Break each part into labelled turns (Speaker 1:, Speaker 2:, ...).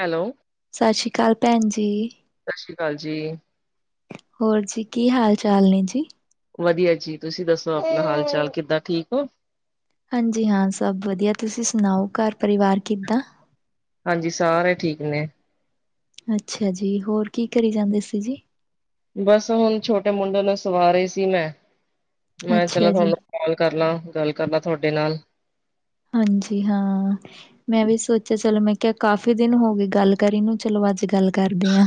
Speaker 1: Hello.
Speaker 2: ਸਤਿ ਸ਼੍ਰੀ ਅਕਾਲ ਭੈਣ ਜੀ।
Speaker 1: ਸਤਿ ਸ਼੍ਰੀ ਅਕਾਲ ਜੀ।
Speaker 2: ਹੋਰ ਜੀ, ਕੀ ਹਾਲ-ਚਾਲ ਨੇ ਜੀ?
Speaker 1: ਵਧੀਆ ਜੀ। ਤੁਸੀਂ ਦੱਸੋ ਆਪਣਾ ਹਾਲ-ਚਾਲ ਕਿੱਦਾਂ ਠੀਕ ਹੋ?
Speaker 2: ਹਾਂਜੀ, ਹਾਂ ਸਭ ਵਧੀਆ। ਤੁਸੀਂ ਸੁਣਾਓ, ਘਰ-ਪਰਿਵਾਰ ਕਿੱਦਾਂ?
Speaker 1: ਹਾਂਜੀ, ਸਾਰੇ ਠੀਕ ਨੇ।
Speaker 2: ਅੱਛਾ ਜੀ, ਹੋਰ ਕੀ ਕਰੀ ਜਾਂਦੇ ਸੀ, ਜੀ?
Speaker 1: ਬਸ ਹੁਣ ਛੋਟੇ ਮੁੰਡੇ ਨੂੰ ਸਵਾ ਰਹੀ ਸੀ ਮੈਂ, ''ਮੈਂ ਚਲਾ
Speaker 2: ਅੱਛਾ ਜੀ,
Speaker 1: ਤਾਨੂੰ ਕੌਲ ਕਰਲਾਂ, ਗੱਲ ਕਰਲਾ ਥੋਡੇ ਨਾਲ।
Speaker 2: ਹਾਂਜੀ-ਹਾਂ। ਮੈਂ ਵੀ ਸੋਚਿਆ ਚਲੋ, ਮੈਂ ਕਿਹਾ ਕਾਫ਼ੀ ਦਿਨ ਹੋਗੇ ਗੱਲ ਕਰੀ ਨੂੰ, ਚਲੋ ਅੱਜ ਗੱਲ ਕਰਦੀ ਆਂ।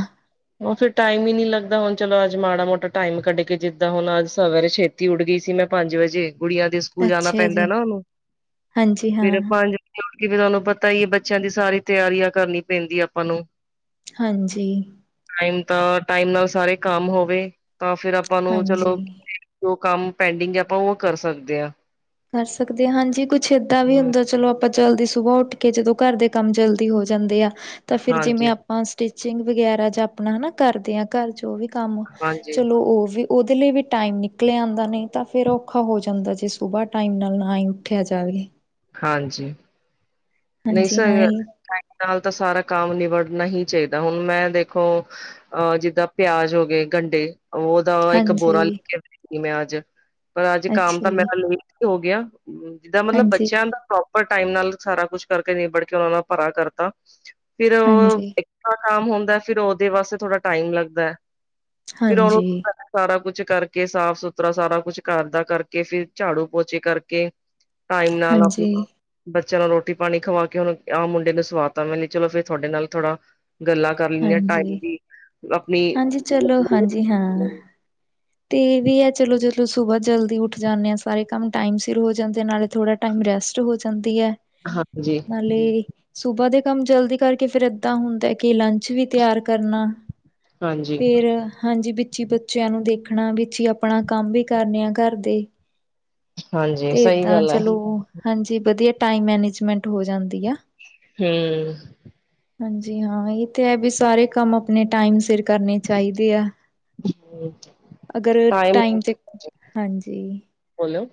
Speaker 1: ਉਹ ਫਿਰ ਟਾਈਮ ਹੀ ਨੀ ਲੱਗਦਾ, ਹੁਣ ਚਲੋ ਅੱਜ ਮਾੜਾ-ਮ੍ਹੋਟਾ ਟਾਈਮ ਕੱਢਕੇ ਜਿੱਦਾਂ ਹੁਣ, ਅੱਜ ਸਵਰੇ ਛੇਤੀ ਉੱਡ ਗਈ ਸੀ, ਮੈਂ ਪੰਜ ਵਜੇ। ਗੁੜੀਆਂ ਦੇ ਸਕੂਲ ਜਾਣਾ
Speaker 2: ਅੱਛਾ
Speaker 1: ਪੈਂਦਾ
Speaker 2: ਜੀ,
Speaker 1: ਨਾ ਉਹਨੂੰ,
Speaker 2: ਹਾਂਜੀ
Speaker 1: ਫਿਰ
Speaker 2: ਹਾਂ,
Speaker 1: ਪੰਜ ਕਿ ਵੀ ਤੁਹਾਨੂੰ ਪਤਾ ਹੀ ਹੈ ਬੱਚਿਆਂ ਦੀ ਸਾਰੀ ਤਿਆਰੀਆਂ ਕਰਨੀ ਪੈਂਦੀ, ਆਪਾ ਨੂੰ।
Speaker 2: ਹਾਂਜੀ।
Speaker 1: ਟਾਈਮ ਤਾ, ਟਾਈਮ ਨਾਲ ਸਾਰੇ ਕੰਮ ਹੋਵੇ, ਤਾਂ ਫਿਰ ਆਪਾਂ ਨੂੰ ਚਲੋ
Speaker 2: ਹਾਂਜੀ।
Speaker 1: ਜੋ ਕੰਮ ਪੈਂਡੀਂਗ ਹੈ, ਆਪਾਂ ਉਹ ਕਰ ਸਕਦੇ ਹਾਂ।
Speaker 2: ਕਰ ਸਕਦੇ, ਹਾਂਜੀ। ਕੁੱਛ ਏਦਾਂ ਵੀ
Speaker 1: ਹਮ
Speaker 2: ਹੁੰਦਾ, ਚਲੋ ਆਪ ਆਪਾ ਜਲਦੀ ਸੁਬਾਹ ਉੱਠਕੇ, ਜਦੋਂ ਘਰ ਦੇ ਕੰਮ ਜਲਦੀ ਹੋ ਜਾਂਦੇ ਆ, ਤਾਂ ਫਿਰ
Speaker 1: ਹਾਂਜੀ
Speaker 2: ਜਿਵੇਂ ਹਾਂ, ਸਟੀਚਿੰਗ ਵਗੈਰਾ ਜਾਂ ਆਪਣਾ ਹੈ ਨਾ, ਕਰਦੇ ਹਾਂ ਘਰ 'ਚ ਉਹ ਵੀ ਕੰਮ,
Speaker 1: ਹਾਂਜੀ
Speaker 2: ਚਲੋ ਉਹ ਵੀ ਉਹਦੇ ਲਈ ਵੀ ਟਾਈਮ ਨਿਕਲਿਆ ਆਉਂਦਾ, ਨਹੀਂ ਤਾਂ ਫੇਰ ਔਖਾ ਹੋ ਜਾਂਦਾ ਜੇ ਸੁਬਾਹ ਟਾਈਮ ਨਾਲ ਨਾ ਹੀ ਉੱਠਿਆ ਜਾਵੇ।
Speaker 1: ਹਾਂਜੀ ਨਹੀਂ
Speaker 2: ਹਾਂਜੀ ਹਾਂ
Speaker 1: ਸਰ
Speaker 2: ਇਹ
Speaker 1: ਟੈਮ ਨਾਲ ਤਾਂ ਸਾਰਾ ਕੰਮ ਨਿਬੜਨਾ ਹੀ ਚਾਹੀਦਾ, ਹੁਣ ਮੈਂ ਦੇਖੋ। ਅਹ ਜਿੱਦਾਂ ਪਿਆਜ ਹੋ ਗਏ ਗੰਡੇ ਉਹ ਦਾ ਇੱਕ ਬੋਰਾ
Speaker 2: ਹਾਂਜੀ
Speaker 1: ਲੈ ਕੇ ਸੀ, ਮੈਂ ਅੱਜ ਪਰ ਅੱਜ ਕੰਮ
Speaker 2: ਅੱਛਾ
Speaker 1: ਤਾਂ
Speaker 2: ਜੀ
Speaker 1: ਮੇਰਾ ਲੇਟ ਹੀ ਹੋ ਗਿਆ। ਜਿੱਦਾਂ ਮਤਲਬ
Speaker 2: ਹਾਂਜੀ
Speaker 1: ਬੱਚਿਆਂ ਦਾ ਪ੍ਰੋਪਰ ਟਾਈਮ ਨਾਲ ਸਾਰਾ ਕੁਛ ਕਰਕੇ ਨੀਬੜ ਕੇ ਉਹਨਾਂ ਨਾਲ ਭਰਾ ਕਰਤਾ ਫਿਰ ਉਹ
Speaker 2: ਹਾਂਜੀ
Speaker 1: ਕੰਮ ਹੋਂਦਾ ਫਿਰ ਉਹਦੇ ਵਾਸਤੇ ਥੋੜਾ ਟਾਈਮ ਲਗਦਾ, ਫਿਰ ਉਹਨੂੰ
Speaker 2: ਹਾਂਜੀ
Speaker 1: ਸਾਰਾ ਕੁਛ ਕਰਕੇ ਸਾਫ-ਸੁਥਰਾ ਸਾਰਾ ਕੁਛ ਘਰਦਾ ਕਰਕੇ, ਫਿਰ ਝਾੜੂ, ਪੋਚੇ ਕਰਕੇ ਟਾਈਮ ਨਾਲ
Speaker 2: ਹਾਂਜੀ
Speaker 1: ਆਪਣਾ, ਬੱਚਿਆਂ ਨਾਲ ਰੋ ਰੋਟੀ-ਪਾਣੀ ਖਵਾਕੇ ਹੁਣ ਆਹ ਮੁੰਡੇ ਨੂੰ ਸਵਾਤਾਂ ਮੈਨੇ, ਚਲੋ ਫੇਰ ਥੁਹਾਡੇ ਨਾਲ ਥੋੜਾ ਗੱਲਾਂ ਕਰ ਲੈਂਨੇ ਆਂ, ਟਾਈਮ
Speaker 2: ਹਾਂਜੀ
Speaker 1: ਦੀ ਅਪਣੀ
Speaker 2: ਹਾਂਜੀ ਚਲੋ ਹਾਂਜੀ ਹਾਂ ਤੇ ਇਹ ਵੀ ਐ, ਚਲੋ ਜਦੋਂ ਸੁਬਾਹ ਜਲਦੀ ਉੱਠ ਜਾਂਨੇ ਆਂ, ਸਾਰੇ ਕੰਮ ਟਾਈਮ ਸਿਰ ਹੋ ਜਾਂਦੇ ਨਾਲੇ ਥੋੜਾ ਟਾਈਮ ਰੈਸਟ ਹੋ ਜਾਂਦੀ ਐ।
Speaker 1: ਹਾਂਜੀ।
Speaker 2: ਨਾਲੇ ਸੁਬਾਹ ਦੇ ਕੰਮ ਜਲਦੀ ਕਰਕੇ ਫਿਰ ਏਦਾਂ ਹੁੰਦਾ ਕਿ, ਲੰਚ ਵੀ ਤਿਆਰ ਕਰਨਾ।
Speaker 1: ਹਾਂਜੀ
Speaker 2: ਫਿਰ, ਹਾਂਜੀ ਵਿੱਚ ਹੀ ਬੱਚਿਆਂ ਨੂੰ ਦੇਖ ਆਖਣਾ, ਵਿੱਚ ਈ ਆਪਣਾ ਕੰਮ ਵੀ ਕਰਨੇ ਆ ਘਰ ਦੇ।
Speaker 1: ਹਾਂਜੀ
Speaker 2: ਤੇ
Speaker 1: ਸਹੀ
Speaker 2: ਏਦਾਂ
Speaker 1: ਗੱਲ ਹੈ
Speaker 2: ਚਲੋ, ਹਾਂਜੀ, ਵਧੀਆ ਟਾਈਮ ਮੈਨੇਜਮੈਂਟ ਹੋ ਜਾਂਦੀ ਆ।
Speaker 1: ਹੂੰ।
Speaker 2: [inaudible] ਹਾਂਜੀ ਹਾਂ ਇਹ ਤੇ ਹੈ, ਵੀ ਸਾਰੇ ਕੰਮ ਆਪਣੇ ਟਾਈਮ ਸਿਰ ਕਰਨੇ ਚਾਹੀਦੇ ਆ। ਅਗਰ ਟਾਈਮ ਚ ਹਾਂਜੀ,
Speaker 1: ਬੋਲੋ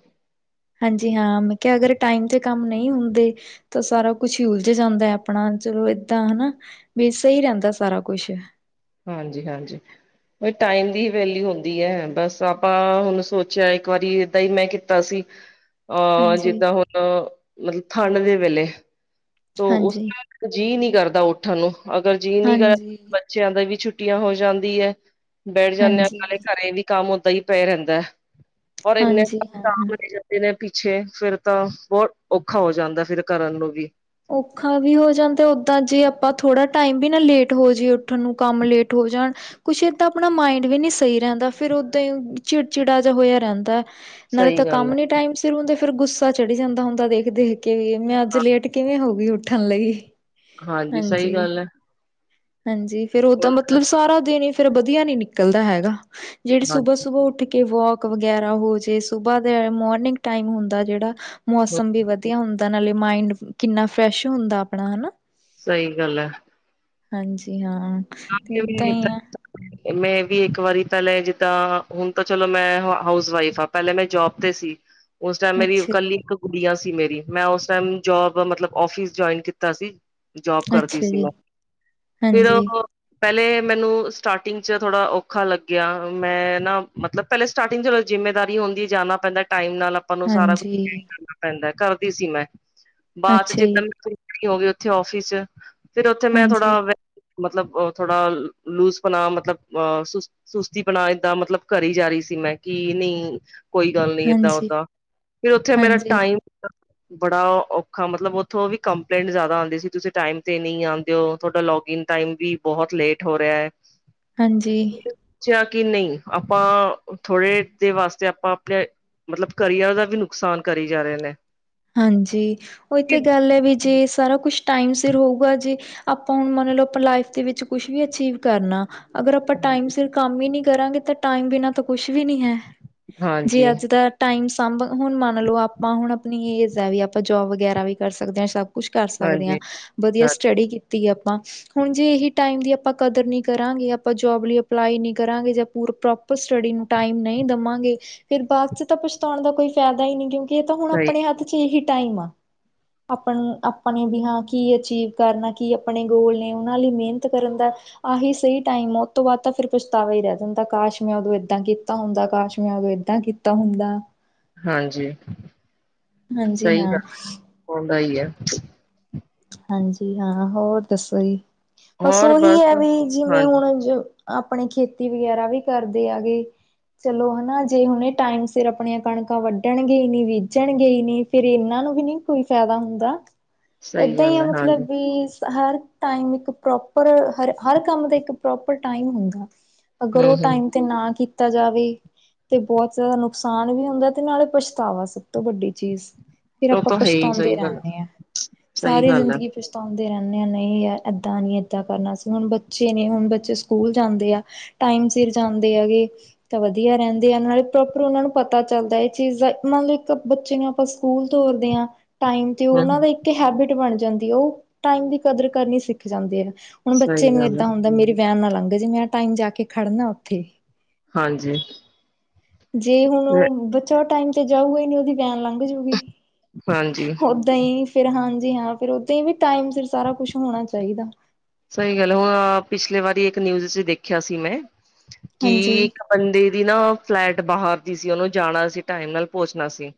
Speaker 2: ਹਾਂਜੀ ਹਾਂ, ਮੈਂ ਕਿਹਾ ਅਗਰ ਟਾਈਮ ਤੇ ਕੰਮ ਨਹੀਂ ਹੁੰਦੇ। ਤਾਂ ਸਾਰਾ ਕੁਛ ਹੀ ਉਲਝ ਜਾਂਦਾ ਹੈ, ਆਪਣਾ ਚਲੋ ਏਦਾਂ ਹਨਾ। ਵੀ ਸਹੀ ਰੈਂਦਾ ਸਾਰਾ ਕੁਛ
Speaker 1: ਹਾਂਜੀ ਹਾਂਜੀ, ਟਾਈਮ ਦੀ ਹੀ ਵੈਲਿਊ ਹੁੰਦੀ ਹੈ, ਬਸ ਆਪਾਂ ਹੁਣ ਸੋਚਿਆ ਇੱਕ ਵਾਰੀ ਏਦਾਂ ਹੀ ਮੈਂ ਕੀਤਾ ਸੀ।
Speaker 2: [unintelligible]
Speaker 1: ਅਹ
Speaker 2: ਹਾਂਜੀ
Speaker 1: ਜਿੱਦਾਂ ਹੁਣ ਮਤਲਬ ਠੰਡ ਦੇ ਵੇਲੇ, ਤ
Speaker 2: ਹਾਂਜੀ
Speaker 1: ਉਸਦਾ ਜੀਅ ਨਹੀਂ ਕਰਦਾ, ਉੱਠਣ ਨੂੰ ਅਗਰ ਜੀਅ ਨਹੀਂ ਕਰਦਾ।
Speaker 2: ਹਾਂਜੀ
Speaker 1: ਬੱਚਿਆਂ ਦਾ ਵੀ ਛੁੱਟੀਆਂ ਹੋ ਜਾਂਦੀ ਹੈ ਬੈਠ ਜਾਂਦੇ ਹੈ, ਨਾਲੇ
Speaker 2: ਹਾਂਜੀ
Speaker 1: ਘਰੇ ਵੀ, ਕੰਮ ਓਦਾਂ ਹੀ ਪੈ ਰਹਿੰਦਾ ਔਰ ਇੰਨੇ
Speaker 2: ਹਾਂਜੀ ਹਾਂ
Speaker 1: ਨੇ ਪਿੱਛੇ ਫੇਰ ਤਾਂ ਬਹੁਤ ਔਖਾ ਹੋ ਜਾਂਦਾ ਫਿਰ ਕਰਨ ਨੂੰ ਵੀ,
Speaker 2: ਔਖਾ ਵੀ ਹੋ ਜਾਂਦਾ ਤੇ ਓਦਾਂ ਜੇ ਆਪਾਂ ਥੋੜ੍ਹਾ ਟਾਈਮ ਵੀ ਨਾ ਲੇਟ ਹੋ ਜਾਏ ਉੱਠਣ ਨੂੰ ਕੰਮ ਲੇਟ ਹੋ ਜਾਣ, ਕੁਛ ਇਦਾਂ ਆਪਣਾ ਮਾਇੰਡ ਵੀ ਨਹੀਂ ਸਹੀ ਰਹਿੰਦਾ ਫੇਰ ਓਦਾਂ ਚਿੜਚਿੜਾ ਜਿਹਾ ਹੋਇਆ ਰਹਿੰਦਾ। ਨਾਲੇ
Speaker 1: ਸਹੀ
Speaker 2: ਤਾਂ
Speaker 1: ਗੱਲ
Speaker 2: ਕੰਮ
Speaker 1: ਹੈ
Speaker 2: ਨੀ ਟਾਈਮ ਸਿਰ ਹੁੰਦੇ ਫੇਰ ਗੁੱਸਾ ਚੜੀ ਜਾਂਦਾ ਹੁੰਦਾ ਦੇਖ ਦੇਖ ਕੇ ਵੀ ਮੈਂ ਅੱਜ
Speaker 1: ਹਾਂ
Speaker 2: ਲੇਟ ਵੇ ਹੋ ਗਈ, ਉੱਠਣ ਲਈ
Speaker 1: ਸਹੀ
Speaker 2: ਹਾਂਜੀ,
Speaker 1: ਗੱਲ ਹੈ
Speaker 2: ਹਾਂਜੀ, ਫੇਰ ਉਹਦਾ
Speaker 1: ਹੁਣ
Speaker 2: ਮਤਲਬ ਸਾਰਾ ਦਿਨ ਹੀ ਫੇਰ ਵਧੀਆ ਨੀ ਨਿਕਲਦਾ ਹੈਗਾ, ਜਿਹੜੀ
Speaker 1: ਹਾਂਜੀ
Speaker 2: ਸੁਬਾਹ ਸੁਬਾਹ ਉੱਠ ਕੇ ਵੋਕ ਵਗੈਰਾ ਹੋ ਜੇ ਸੁਬਾਹ ਦੇ ਮੋਰਨਿੰਗ ਟਾਈਮ ਹੁੰਦਾ, ਜਿਹੜਾ ਮੌਸਮ ਵੀ ਵਧੀਆ ਹੁੰਦਾ। ਨਾਲੇ ਮਾਇੰਡ ਕਿੰਨਾ ਫਰੈਸ਼ ਹੁੰਦਾ ਆਪਣਾ ਹਨਾ,
Speaker 1: ਸਹੀ ਗੱਲ ਹੈ।
Speaker 2: ਹਾਂਜੀ, ਹਾਂ। ਤੇ ਏਦਾਂ ਹੀ ਆ
Speaker 1: [unintelligible] ਮੈਂ ਵੀ ਇੱਕ ਵਾਰੀ ਪਹਿਲੇ ਜਿੱਦਾਂ ਹੁਣ ਤਾਂ ਚਲੋ ਮੈਂ ਹਾਊਸ ਵਾਈਫ ਆ। ਪਹਿਲੇ ਮੈਂ ਜੋਬ ਤੇ ਸੀ, ਉਸ ਟਾਈਮ ਮੇਰੀ
Speaker 2: ਅੱਛਾ ਜੀ,
Speaker 1: ਇਕੱਲੀ ਕੁੜੀਆਂ ਸੀ ਮੇਰੀ ਮੈਂ ਉਸ ਟਾਈਮ ਜੋਬ ਮਤਲਬ ਫਿਸ ਜੁਆਇਨ ਕੀਤਾ ਸੀ। ਜੋਬ ਕਰਦੀ
Speaker 2: ਅੱਛਾ
Speaker 1: ਸੀ
Speaker 2: ਜੀ,
Speaker 1: ਮੈਂ ਫਿਰ
Speaker 2: ਹਾਂਜੀ।
Speaker 1: ਪਹਿਲੇ ਮੈਨੂੰ ਸਟਾਰਟਿੰਗ ਚ ਥੋੜਾ ਔਖਾ ਲੱਗਿਆ ਮੈਂ ਨਾ ਮਤਲਬ ਪਹਿਲੇ ਸਤਾਰਟਿੰਗ ਚਲੋਂ ਜ਼ਿੰਮੇਦਾਰੀ ਹੁੰਦੀ ਹੈ ਜਾਨਾ ਪੈਂਦਾ ਟਾਈਮ ਨਾਲ ਤੁਹਾਨੂੰ ਸਾਰਾ ਕੁਛ
Speaker 2: ਹਾਂਜੀ,
Speaker 1: ਫੀਲ ਕਰਨਾ ਪੈਂਦਾ ਕਰਦੀ ਸੀ ਮੈਂ, ਬਾਅਦ ਚ
Speaker 2: ਅੱਛਾ ਜੀ,
Speaker 1: ਜਿੱਦਾਂ ਹੋ ਗਏ ਉੱਥੇ ਆਫਿਸ ਚ ਫਿਰ ਉੱਥੇ ਮੈਂ
Speaker 2: ਹਾਂਜੀ,
Speaker 1: ਥੋੜਾ [unintelligible] ਮਤਲਬ ਥੋੜਾ ਲੂਜ ਬਣਾ ਮਤਲਬ ਅ ਸੁਸਤੀ ਪਨਾ ਏਦਾਂ ਮਤਲਬ ਕਰੀ ਜਾ ਰਹੀ ਸੀ ਮੈਂ ਕਿ ਨਹੀਂ ਕੋਈ ਗੱਲ ਨੀ ਇਦਾਂ,
Speaker 2: ਹਾਂਜੀ,
Speaker 1: ਓਦਾਂ, ਫਿਰ ਉੱਥੇ ਮੇਰਾ
Speaker 2: ਹਾਂਜੀ,
Speaker 1: ਟਾਈਮ ਬੜਾ ਔਖਾ ਮਤਲਬ ਉੱਥੋਂ ਵੀ ਕੰਪਲੇਂਟ ਜ਼ਿਆਦਾ ਆਉਂਦੀ ਸੀ, ਤੁਸੀਂ ਟਾਈਮ ਤੇ ਨਹੀਂ ਆਉਂਦੇ ਹੋ ਤੁਹਾਡਾ ਲੋੌਗਇਨ, ਟਾਈਮ ਵੀ ਬਹੁਤ ਲੇਟ ਹੋ ਰਿਹਾ ਹੈ,
Speaker 2: ਹਾਂਜੀ।
Speaker 1: ਪੁੱਛਿਆ ਕਿ ਨਹੀਂ ਆਪਾਂ ਥੋੜੇ ਦੇ ਵਾਸਤੇ ਆਪਾਂ ਆਪਣੇ, ਮਤਲਬ ਕਰੀਅਰ ਦਾ ਵੀ ਨੁਕਸਾਨ ਕਰੀ ਜਾ ਰਹੇ ਨੇ,
Speaker 2: ਹਾਂਜੀ ਉਹ ਤੇ
Speaker 1: ਹਾਂਜੀ
Speaker 2: ਗੱਲ ਹੈ, ਵੀ ਜੇ ਸਾਰਾ ਕੁਛ ਟਾਈਮ ਸਿਰ ਹੋਊਗਾ ਜੇ, ਆਪਾਂ ਹੁਣ ਮੰਨ ਲਓ, ਆਪਾਂ ਲਾਈਫ ਦੇ ਵਿੱਚ ਕੁਛ ਵੀ ਅਚੀਵ ਕਰਨਾ ਅਗਰ ਆਪਾਂ ਟਾਈਮ ਸਿਰ ਕੰਮ ਹੀ ਨੀ ਕਰਾਂਗੇ ਤਾਂ ਟਾਈਮ ਬਿਨਾਂ ਤਾਂ ਕੁਛ ਵੀ ਨੀ ਹੈ,
Speaker 1: ਹਾਂਜੀ
Speaker 2: ਜੇ ਅੱਜ ਦਾ ਟਾਈਮ ਸਾਂਭ ਹੁਣ ਮੰਨ ਲਓ, ਆਪਾਂ ਹੁਣ ਆਪਣੀ ਏਜ ਹੈ ਵੀ ਆਪਾਂ ਜੋਬ ਵਗੈਰਾ ਵੀ ਕਰ ਸਕਦੇ ਹਾਂ ਸਭ ਕੁਛ ਕਰ ਸਕਦੇ ਹਾਂ
Speaker 1: ਹਾਂਜੀ
Speaker 2: ਵਧੀਆ,
Speaker 1: ਹਾਂ
Speaker 2: ਸਟੱਡੀ ਕੀਤੀ ਆਪਾਂ, ਹੁਣ ਜੇ ਇਹੀ ਟਾਈਮ ਦੀ ਆਪਾਂ ਕਦਰ ਨਹੀਂ ਕਰਾਂਗੇ ਆਪਾਂ ਜੋਬ ਲਈ ਅਪਲਾਈ ਨੀ ਕਰਾਂਗੇ ਜਾਂ ਪ ਸਟੱਡੀ ਨੂੰ ਟਾਈਮ ਨਹੀਂ ਦੇਵਾਂਗੇ, ਫੇਰ ਬਾਅਦ ਚ ਤਾਂ ਪਛਤਾਉਣ ਦਾ ਕੋਈ ਫਾਇਦਾ ਹੀ ਨਹੀਂ ਕਿਉਂਕਿ ਇਹ ਤਾਂ ਹੁਣ
Speaker 1: ਸਹੀ
Speaker 2: ਆਪਣੇ ਹੱਥ ਚ ਇਹੀ ਟਾਈਮ ਆ। ਅਪਣ ਆਪਣੇ ਵੀ ਹਾਂ ਕੀ ਅਚੀਵ ਕਰਨਾ ਕੀ ਆਪਣੇ ਗੋਲ ਨੇ ਉਹਨਾਂ ਲਈ ਮਿਹਨਤ ਕਰਨ ਦਾ ਆਹੀ ਸਹੀ ਟਾਈਮ ਉਹ ਤੋਂ ਬਾਅਦ ਤਾਂ ਫਿਰ ਪਛਤਾਵਾ ਹੀ ਰਹਿ ਜਾਂਦਾ ਕਾਸ਼ ਮੈਂ ਉਦੋਂ ਏਦਾਂ ਕੀਤਾ ਹੁੰਦਾ ਕਾਸ਼ ਮੈਂ ਉਦੋਂ ਏਦਾਂ ਤਾਂ ਕੀਤਾ ਹੁੰਦਾ
Speaker 1: ਹਾਂਜੀ।
Speaker 2: ਹਾਂਜੀ
Speaker 1: ਸਹੀ
Speaker 2: ਹਾਂ।
Speaker 1: ਗੱਲ ਹੁੰਦਾ ਹੀ ਹੈ,
Speaker 2: ਹਾਂਜੀ ਹਾਂ ਹੋਰ ਦੱਸੋ ਜੀ ਬਸ ਉਹੀ ਹੈ ਵੀ ਜਿਵੇਂ
Speaker 1: ਹਾਂਜੀ
Speaker 2: ਹੁਣ ਆਪਣੀ ਖੇਤੀ ਵਗੈਰਾ ਵੀ ਕਰਦੇ ਆ ਗੇ ਚਲੋ ਹਨਾ ਜੇ ਹੁਣੇ ਟਾਈਮ ਸਿਰ ਆਪਣੀਆਂ ਕਣਕਾਂ ਵੱਢਣਗੇ ਨੀ ਬੀਜਣਗੇ ਨੀ ਫਿਰ ਇਹਨਾਂ ਨੂੰ ਵੀ ਨੀ ਕੋਈ ਫਾਇਦਾ ਹੁੰਦਾ,
Speaker 1: ਸਹੀ
Speaker 2: ਇਦਾਂ ਹੀ
Speaker 1: ਗੱਲ
Speaker 2: ਆ
Speaker 1: ਹੈ ਹਾਂਜੀ
Speaker 2: ਮਤਲਬ ਵੀ ਹਰ ਟਾਈਮ ਇੱਕ ਪ੍ਰੋਪਰ ਹ ਹਰ ਕੰਮ ਦਾ ਇੱਕ ਪ੍ਰੋਪਰ ਟਾਈਮ ਹੁੰਦਾ ਅਗਰ
Speaker 1: ਹਮ
Speaker 2: ਉਹ
Speaker 1: ਹਮ
Speaker 2: ਟਾਈਮ ਤੇ ਨਾ ਕੀਤਾ ਜਾਵੇ ਤੇ ਬਹੁਤ ਜ਼ਿਆਦਾ ਨੁਕਸਾਨ ਵੀ ਹੁੰਦਾ ਤੇ ਨਾਲੇ ਪਛਤਾਵਾ ਸਭ ਤੋਂ ਵੱਡੀ ਚੀਜ਼ ਫਿਰ
Speaker 1: ਉਹ
Speaker 2: ਆਪਾਂ
Speaker 1: ਤਾਂ ਹੈ ਹੀ ਸਹੀ
Speaker 2: ਪਛਤਾਉਂਦੇ
Speaker 1: ਗੱਲ
Speaker 2: ਰਹਿੰਦੇ ਹਾਂ,
Speaker 1: ਸਹੀ
Speaker 2: ਸਾਰੀ
Speaker 1: ਗੱਲ ਹੈ
Speaker 2: ਜ਼ਿੰਦਗੀ ਪਛਤਾਉਂਦੇ ਰਹਿੰਦੇ ਹਾਂ ਨਹੀਂ ਯਾਰ ਇੱਦਾਂ ਨਹੀਂ ਇੱਦਾਂ ਕਰਨਾ ਅਸੀਂ ਹੁਣ ਬੱਚੇ ਨੇ ਹੁਣ ਬੱਚੇ ਸਕੂਲ ਜਾਂਦੇ ਆ ਟਾਈਮ ਸਿਰ ਜਾਂਦੇ ਹੈਗੇ ਤਾਂ ਵਧੀਆ ਰਹਿੰਦੇ ਆ ਨਾਲੇ ਪ੍ਰੋਪਰ ਉਹਨਾਂ ਨੂੰ ਪਤਾ ਚੱਲਦਾ ਇਹ ਚੀਜ਼ ਦਾ ਨਾਲੇ ਇੱਕ ਬੱਚੇ ਆਪਾਂ ਸਕੂਲ ਤੋਰਦੇ ਹਾਂ ਟਾਇਮ ਤੇ ਉਹ
Speaker 1: ਹਮ
Speaker 2: ਦਾ ਇੱਕ ਹੈਬਿਟ ਬਣ ਜਾਂਦੀ ਹੈ ਉਹ ਟਾਈਮ ਦੀ ਕਦਰ ਕਰਨੀ ਸਿੱਖ ਜਾਂਦੇ ਹੈ ਹੁਣ ਬੱਚੇ
Speaker 1: ਸਹੀ
Speaker 2: ਨੂੰ
Speaker 1: ਗੱਲ ਹੈ
Speaker 2: ਏਦਾਂ ਹੁੰਦਾ ਮੇਰੀ ਵੈਨ ਨਾਲ ਲੰਘ ਜੇ ਮੈਂ ਟਾਈਮ ਜਾ ਕੇ ਖੜਨਾ ਉੱਥੇ
Speaker 1: ਹਾਂਜੀ
Speaker 2: ਜੇ ਹੁਣ ਉਹ ਬੱਚਾ ਟਾਈਮ ਤੇ ਜਾਊਗਾ ਨੀ ਉਹਦੀ ਵੇਨ ਲੰਘ ਜਾਊਗੀ
Speaker 1: ਹਾਂਜੀ
Speaker 2: ਤਾ ਹੀ ਫੇਰ ਹਾਂਜੀ ਹਾਂ ਫਿਰ ਓਦਾਂ ਹੀ ਵੀ ਟਾਈਮ ਸਿਰ ਸਾਰਾ ਕੁਛ ਹੋਣਾ ਚਾਹੀਦਾ
Speaker 1: ਸਹੀ ਗੱਲ ਹੁਣ ਪਿਛਲੇ ਵਾਰੀ ਇੱਕ ਨਿਊਜ਼ ਚ ਦੇਖਿਆ ਸੀ ਮੈਂ
Speaker 2: ਹਾਂਜੀ
Speaker 1: ਕਿ ਬੰਦੇ ਦੀ ਨਾ ਫਲੈਟ ਬਾਹਰ ਦੀ ਸੀ ਉਹਨੂੰ ਜਾਣਾ ਸੀ ਟਾਈਮ ਨਾਲ ਪਹੁੰਚਣਾ ਸੀ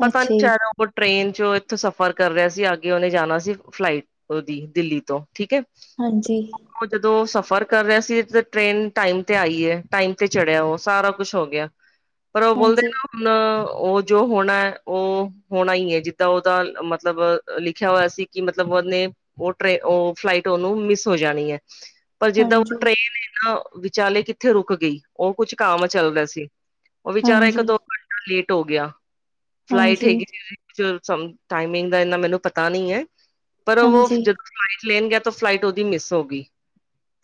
Speaker 1: ਪਤਾ ਨੀ
Speaker 2: ਅੱਛਾ
Speaker 1: ਚ
Speaker 2: ਜੀ
Speaker 1: ਰਿ ਟ੍ਰੇਨ ਚੋਂ ਇੱਥੋਂ ਸਫ਼ਰ ਕਰ ਰਿਹਾ ਸੀ ਅਗੇ ਉਹਨੇ ਜਾਣਾ ਸੀ ਫਲਾਈਟ ਦੀ ਦਿੱਲੀ ਤੋਂ ਠੀਕ
Speaker 2: ਹਾਂਜੀ
Speaker 1: ਉਹ ਜਦੋਂ ਸਫ਼ਰ ਕਰ ਰਿਹਾ ਸੀ ਟ੍ਰੇਨ ਟਾਈਮ ਤੇ ਆਈ ਹੈ ਟਾਈਮ ਤੇ ਚੜਿਆ ਉਹ ਸਾਰਾ ਕੁਛ ਹੋ ਗਿਆ‌। ਪਰ ਉਹੋਦੇ।
Speaker 2: ਹਾਂਜੀ
Speaker 1: ਹੁਣ ਉਹ ਜੋ ਹੋਣਾ ਹੈ ਉਹ ਹੋਣਾ ਹੀ ਹੈ ਜਿੱਦਾਂ ਉਹਦਾ ਮਤਲਬ ਲਿਖਿਆ ਹੋਇਆ ਸੀ। ਕਿ ਮਤਲਬ ਉਹਨੇ ਉਹ ਟ ਉਹ ਫਲਾਈਟ। ਮਿਸ ਹੋ ਜਾਣੀ ਹੈ, ਪਰ ਜਿੱਦਾਂ
Speaker 2: ਹਾਂਜੀ
Speaker 1: ਉਹ ਟ੍ਰੇਨ ਨਾ ਵਿਚਾਲੇ। ਉੱਥੇ ਰੁਕ ਗਈ ਉਹ ਕੁਛ ਕੰਮ ਚੱਲ ਰਿਹਾ ਸੀ ਉਹ ਵਿਚਾਰਾ ਇੱਕ
Speaker 2: ਹਾਂਜੀ
Speaker 1: ਦੋ ਘੰਟੇ। ਲੇਟ ਹੋ ਗਿਆ ਫਲਾਈਟ
Speaker 2: ਹਾਂਜੀ
Speaker 1: ਹੈਗੀ। ਟਾਈਮਿੰਗ ਦਾ ਇਨਾ ਮੈਨੂੰ ਪਤਾ ਨੀ ਹੈ, ਪਰ ਉਹ
Speaker 2: ਹਾਂਜੀ
Speaker 1: ਜਦੋਂ ਫਲਾਈਟ ਲੈਣ ਗਿਆ। ਫਲਾਈਟ ਉਹਦੀ ਮਿਸ ਹੋ ਗਈ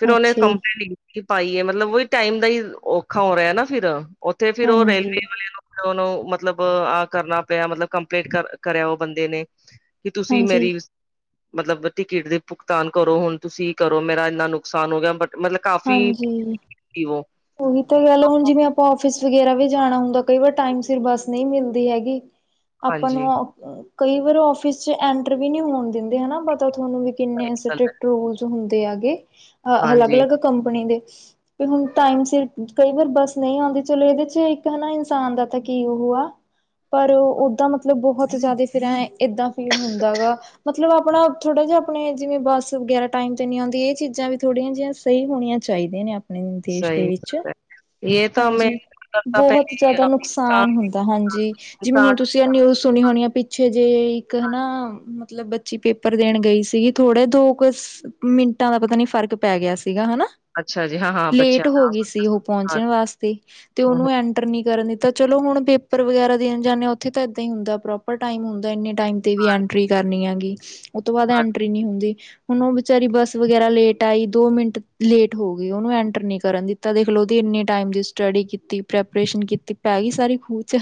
Speaker 1: ਫਿਰ ਉਹਨੇ
Speaker 2: ਅੱਛਾ ਜੀ
Speaker 1: ਕੰਪਲੇ ਪਾਈਏ ਮਤਲਬ ਉਹ ਵੀ ਟਾਈਮ ਦਾ ਹੀ ਔਖਾ ਹੋ ਰਿਹਾ ਨਾ ਫਿਰ ਉੱਥੇ ਫਿਰ ਉਹ
Speaker 2: ਹਾਂਜੀ
Speaker 1: ਰੇਲਵੇ ਵਾਲੇ ਨੂੰ ਉਹਨੂੰ ਮਤਲਬ ਆਹ ਕਰਨਾ ਪਿਆ ਮਤਲਬ ਕੰਪਲੇਟ ਕਰ ਕਰਿਆ ਉਹ ਬੰਦੇ ਨੇ ਕੀ ਤੁਸੀਂ
Speaker 2: ਹਾਂਜੀ
Speaker 1: ਮੇਰੀ ਮਤਲਬ ਟਿਕਟ ਦੇ ਪੁਗਤਾਨ ਕਰੋ ਹੁਨ ਤੁਸੀਂ ਕਰੋ ਮੇਰਾ ਇੰਨਾ ਨੁਕਸਾਨ ਹੋ ਗਿਆ ਬਟ ਕਾਫ਼ੀ
Speaker 2: ਹਾਂਜੀ
Speaker 1: ਉਹ
Speaker 2: ਉਹੀ ਤਾਂ ਗੱਲ ਹੈ ਹੁਨ ਜਿਵੇਂ ਆਫਿਸ ਵਗੈਰਾ ਵੀ ਜਾਣਾ ਹੁੰਦਾ ਕਈ ਵਾਰ ਟਾਈਮ ਸਿਰ ਬੱਸ ਨਹੀਂ ਮਿਲਦੀ ਹੈਗੀ ਆਪਾਂ
Speaker 1: ਹਾਂਜੀ
Speaker 2: ਨੂੰ ਕਈ ਵਾਰ ਆਫਿਸ ਚ ਐਂਟਰ ਵੀ ਨੀ ਹੋਣ ਦਿੰਦੇ ਹਨਾ ਪਤਾ ਤੁਹਾਨੂੰ ਵੀ
Speaker 1: ਸਹੀ
Speaker 2: ਕਿੰਨੇ
Speaker 1: ਗੱਲ ਹੈ
Speaker 2: ਸਟ੍ਰਿਕਟ ਰੂਲ ਹੁੰਦੇ ਹੈਗੇ ਅ ਅਲੱਗ
Speaker 1: ਹਾਂਜੀ
Speaker 2: -ਅਲੱਗ ਕੰਪਨੀ ਦੇ ਵੀ ਹੁਣ ਟਾਈਮ ਸਿਰ ਕਈ ਵਾਰ ਬੱਸ ਨਹੀਂ ਆਉਂਦੀ ਚਲੋ ਇਹਦੇ ਚ ਇੱਕ ਹਨਾ ਇਨਸਾਨ ਦਾ ਤਾਂ ਕੀ ਉਹ ਆ ਪਰ ਓਦਾਂ ਮਤਲਬ ਬਹੁਤ ਜ਼ਿਆਦਾ ਫਿਰ ਐ ਏਦਾਂ ਫੀਲ ਹੁੰਦਾ ਗਾ ਮਤਲਬ ਆਪਣਾ ਥੋੜਾ ਜਿਹਾ ਆਪਣੇ ਜਿਵੇਂ ਬੱਸ ਵਗੈਰਾ ਟਾਈਮ ਤੇ ਨੀ ਆਉਂਦੀ ਇਹ ਚੀਜ਼ਾਂ ਵੀ ਥੋੜੀਆਂ ਜਿਹੀ ਸਹੀ ਹੋਣੀਆਂ ਚਾਹੀਦੀਆਂ ਨੇ ਆਪਣੇ ਦੇਸ਼ ਦੇ
Speaker 1: ਸਹੀ
Speaker 2: ਵਿੱਚ
Speaker 1: ਗੱਲ ਹੈ ਇਹ ਤਾਂ ਮੈਂ
Speaker 2: ਹਾਂਜੀ
Speaker 1: ਤਾਂ
Speaker 2: ਬਹੁਤ
Speaker 1: ਪਹਿਲੇ
Speaker 2: ਜ਼ਿਆਦਾ
Speaker 1: ਇਨਸਾਨ
Speaker 2: ਨੁਕਸਾਨ ਹੁੰਦਾ ਹਾਂਜੀ ਜਿਵੇਂ
Speaker 1: ਇਨਸਾਨ
Speaker 2: ਹੁਣ ਤੁ ਨਿਊਜ਼ ਸੁਣੀ ਹੋਣੀ ਆ ਪਿੱਛੇ ਜੇ ਇੱਕ ਹਨਾ। ਮਤਲਬ ਬੱਚੀ ਪੇਪਰ ਦੇਣ ਗਈ ਸੀਗੀ ਥੋੜੇ ਦੋ ਕੁ ਮਿੰਟਾਂ ਦਾ ਪਤਾ ਨੀ ਫ਼ਰਕ ਪੈ ਗਿਆ ਸੀ। ਹਾ
Speaker 1: ਅੱਛਾ ਜੀ ਹਾਂ ਹਾਂ ਬੱਚਿਆਂ
Speaker 2: ਲੇਟ ਹੋ ਗਈ ਸੀ, ਉਹ
Speaker 1: ਦਾ
Speaker 2: ਪਹੁੰਚਣ ਵਾਸਤੇ ਤੇ ਉਹਨੂੰ।
Speaker 1: ਹਾਂ,
Speaker 2: ਕਰਨ ਦਿੱਤਾ ਚਲ ਹੁਣ ਪੇਪਰ ਵਗੈਰਾ ਦੇਣ ਜਾਂਦੇ ਹ ਉੱਥੇ ਤਾਂ ਇਏਦਾਂ ਹੀ ਹੁੰਦਾ ਪ੍ਰੋਪਰ ਟਾਈਮ ਹੁੰਦਾ ਇੰਨੇ। ਟਾਈਮ ਤੇ ਵੀ ਐਂਟਰੀ ਕਰਨੀ ਆ ਗ ਉਹ ਤੋਂ ਬਾਅਦ ਐਂਟਰੀ ਨਹੀਂ ਹੁੰਦੀ। ਹੁਣ ਉਹ ਵਿਚਾਰੀ ਬੱਸ ਵਗੈਰਾ ਲੇਟ ਆਈ ਦੋ ਮਿੰਟ। ਲੇਟ ਹੋ ਗਈ ਉਹਨੂੰ ਐਂਟਰ ਨੀ ਕਰਨ ਦਿੱਤਾ, ਦੇਖਲ ਉਹਦੀ ਇਨੇ ਟਮ ਦੀ ਸਟਡੀ ਕੀਤੀ ਪ੍ਰੈਪਰੇਸ਼ਨ ਕੀਤੀ। ਪੈ ਗਈ ਸਾਰੀ ਖੂਹ ਚ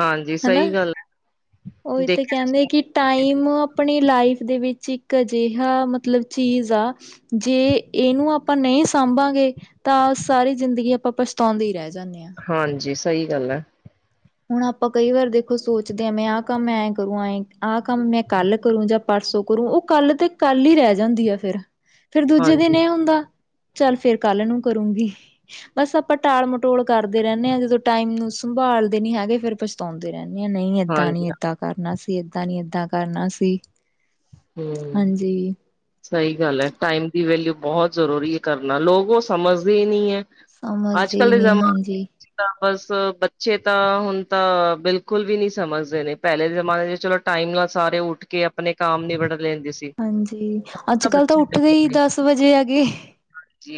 Speaker 1: ਹਾਂਜੀ ਸਹੀ
Speaker 2: ਹਨਾ
Speaker 1: ਗੱਲ
Speaker 2: ਉਹ
Speaker 1: ਹੈ
Speaker 2: ਇਥ
Speaker 1: ਦੇਖਿਆ
Speaker 2: ਕਹਿੰਦੇ ਕਿ। ਟਾਈਮ ਆਪਣੀ ਲਾਈਫ ਦੇ ਵਿੱਚ ਇੱਕ ਅਜਿਹਾ ਮਤਲਬ ਚੀਜ਼ ਆ ਜੇ। ਇਹਨੂੰ ਆਪਾਂ ਨਹੀਂ ਸਾਂਭਾਂਗੇ, ਤਾਂ ਸਾਰੀ ਜ਼ਿੰਦਗੀ ਆਪਾਂ ਪਛਤਾਉਂਦੇ ਰਹਿ ਜਾਂਦੇ ਹਾਂ।
Speaker 1: ਹਾਂਜੀ ਸਹੀ ਗੱਲ ਹੈ।
Speaker 2: ਹੁਣ ਆਪਾਂ ਕਈ ਵਾਰ ਦੇਖੋ ਸੋਚਦੇ ਹਾਂ, ਮੈਂ ਆਹ ਕੰਮ ਐਂ ਕਰੂੰ ਐਂ ਆਹ ਕੰਮ ਮੈਂ ਕੱਲ ਕਰੂੰ ਜਾਂ। ਪਰਸੋਂ ਕਰੂ ਉਹ ਕੱਲ ਤੇ ਕੱਲ ਹੀ ਰਹਿ ਜਾਂਦੀ ਆ ਫੇਰ ਫੇਰ ਦੂਜੇ
Speaker 1: ਹਾਂਜੀ,
Speaker 2: ਦਿਨ ਇਹ ਹੁੰਦਾ। ਚੱਲ ਫੇਰ, ਕੱਲ ਨੂੰ ਕਰੂਗੀ। ਬਸ ਆਪਾਂ ਟਾਲ ਮਟੋਲ ਕਰਦੇ ਰਹਿੰਦੇ ਹਾਂ ਜਦੋਂ ਟਾਈਮ ਨੂੰ ਸੰਭਾਲ। ਨੀ ਹੈਗੇ, ਫੇਰ ਪਛਤਾਉਦੇ ਰਹਿੰਦੇ ਆ, ਨਹੀਂ ਇੱਦਾਂ
Speaker 1: ਹਾਂਜੀ
Speaker 2: ਨੀ ਇੱਦਾਂ। ਕਰਨਾ ਸੀ, ਏਦਾਂ ਨੀ ਏਦਾਂ ਕਰਨਾ ਸੀ,
Speaker 1: ਹੂੰ।
Speaker 2: ਹਾਂਜੀ।
Speaker 1: ਸਹੀ ਗੱਲ ਹੈ, ਟਾਈਮ ਦੀ ਵੈਲਿਊ ਬਹੁਤ ਜ਼ਰੂਰੀ ਹੈ ਕਰਨਾ, ਲੋਕ ਉਹ ਸਮਝਦੇ ਹੀ ਨਹੀਂ ਹੈ। ਅੱਜ
Speaker 2: ਸਮਝਦੇ ਹੀ
Speaker 1: ਕਲ ਦੇ
Speaker 2: ਨਹੀਂ
Speaker 1: ਜ਼ਮਾਨੇ।
Speaker 2: ਹਾਂਜੀ।
Speaker 1: ਤਾਂ ਬਸ, ਬੱਚੇ ਤਾਂ ਹੁਣ ਤਾਂ ਬਿਲਕੁਲ ਵੀ ਨਹੀਂ ਸਮਝਦੇ ਨੇ। ਪਹਿਲੇ ਦੇ ਜਮਾਨੇ 'ਚ, ਚਲੋ ਟਾਈਮ ਨਾਲ ਸਾਰੇ ਉੱਠ ਕੇ ਆਪਣੇ ਕੰਮ ਨਿਬੇੜ ਲੈਂਦੇ ਸੀ।
Speaker 2: ਹਾਂਜੀ, ਅੱਜ- ਕੱਲ ਤਾਂ ਉੱਠਦੇ ਹੀ ਦਸ ਵਜੇ ਹੈਗੇ।
Speaker 1: ਹਾਂਜੀ।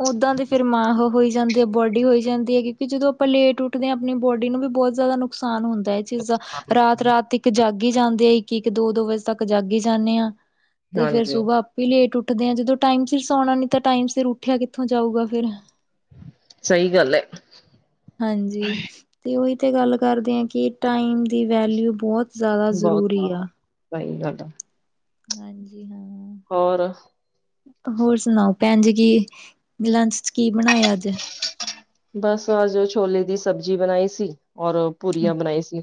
Speaker 2: ਉਦਾਂ ਦੇ ਫਿਰ ਮਾਂ ਹੋਈ ਜਾਂਦੀ ਆ ਬੋਡੀ ਹੋਈ ਜਾਂਦੀ ਹੈ ਕਿਉਂਕਿ ਜਦੋਂ ਆਪਾਂ ਲੇਟ ਉੱਠਦੇ ਹਾਂ ਆਪਣੀ ਬੋਡੀ ਨੂੰ ਵੀ ਬਹੁਤ ਜ਼ਿਆਦਾ ਨੁਕਸਾਨ ਹੁੰਦਾ ਹੈ। ਚੀਜ਼ਾਂ, ਰਾਤ -ਰਾਤ, ਇੱਕ ਜਾਗੀ ਜਾਂਦੇ ਆ, ਇੱਕ- ਇੱਕ, ਦੋ- ਦੋ, ਵਜੇ ਤੱਕ ਜਾਗੀ ਜਾਂਦੇ ਹਾਂ। ਤੇ ਫਿਰ
Speaker 1: ਹਾਂਜੀ
Speaker 2: ਸੁਬਾ ਆਪੇ ਹੀ ਲੇਟ ਉੱਠਦੇ ਆਂ, ਜਦੋਂ ਟਾਈਮ ਸਿਰ ਸੌਣਾ ਨੀ, ਤਾਂ ਟਾਈਮ ਸਿਰ ਉੱਠਿਆ ਕਿੱਥੋਂ ਜਾਊਗਾ ਫਿਰ।
Speaker 1: ਸਹੀ ਗੱਲ ਹੈ।
Speaker 2: ਹਾਂਜੀ, ਤੇ ਉਹੀ ਤੇ ਗੱਲ ਕਰਦੇ ਆ ਕਿ ਟਾਈਮ ਦੀ ਵੈਲਿਊ ਬਹੁਤ ਜ਼ਿਆਦਾ
Speaker 1: ਬਹੁਤ
Speaker 2: ਜ਼ਰੂਰੀ ਆ
Speaker 1: ਸਹੀ ਗੱਲ ਆ
Speaker 2: ਹਾਂਜੀ, ਹਾਂ
Speaker 1: ਹੋਰ
Speaker 2: ਹੋਰ ਸੁਣਾਓ ਭੈਣ ਜੀ ਕੀ, ਲੰਚ 'ਚ ਕੀ ਬਣਾਇਆ ਅੱਜ
Speaker 1: ਬਸ ਅੱਜ ਛੋਲੇ ਦੀ ਸਬਜ਼ੀ ਬਣਾਈ ਸੀ, ਔਰ ਪੂਰੀਆਂ ਬਣਾਈ ਸੀ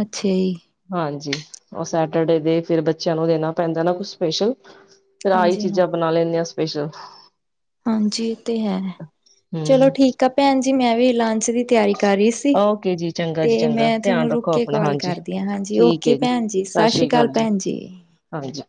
Speaker 2: ਅੱਛਾ ਜੀ
Speaker 1: ਹਾਂਜੀ, ਉਹ ਸੈਟਰਡੇ ਦੇ, ਫਿਰ ਬੱਚਿਆਂ ਨੂੰ ਦੇਣਾ ਪੈਂਦਾ ਨਾ ਕੁਛ ਸਪੈਸ਼ਲ। ਫੇਰ ਆਹੀ
Speaker 2: ਹਾਂਜੀ ਹਾਂ,
Speaker 1: ਚੀਜ਼ਾਂ ਬਣਾ ਲੈਂਦੇ ਆਂ ਸਪੈਸ਼ਲ।
Speaker 2: ਹਾਂਜੀ ਇਹ ਤੇ ਹੈ, ਚਲੋ
Speaker 1: ਹਮ
Speaker 2: ਠੀਕ ਆ ਭੈਣ ਜੀ, ਮੈਂ ਵੀ ਲੰਚ ਦੀ ਤਿਆਰੀ ਕਰ ਰਹੀ।
Speaker 1: ਓਕੇ ਜੀ ਚੰਗਾ ਜੀ
Speaker 2: ਤੇ
Speaker 1: ਚੰਗਾ
Speaker 2: ਮੈਂ ਤੁਹਾਨੂੰ
Speaker 1: ਧਿਆਨ
Speaker 2: ਰੁਕ
Speaker 1: ਰੱਖੋ
Speaker 2: ਕੇ
Speaker 1: ਆਪਣਾ
Speaker 2: ਕਾਲ
Speaker 1: ਹਾਂਜੀ
Speaker 2: ਕਰਦੀ ਹਾਂ, ਹਾਂਜੀ ਓਕੇ ਭੈਣ ਜੀ। ਸਤਿ ਸ੍ਰੀ ਅਕਾਲ, ਭੈਣ ਜੀ।
Speaker 1: ਹਾਂਜੀ।